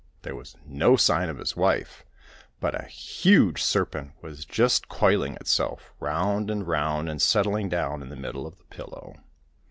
There was no sign of his wife, but a huge serpent was just coiling itself round and round and settling down in the middle of the pillow.